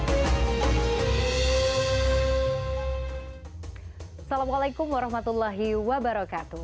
assalamualaikum warahmatullahi wabarakatuh